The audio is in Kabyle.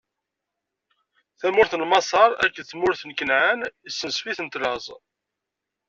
Tamurt n Maṣer akked tmurt n Kanɛan issenzef-itent laẓ.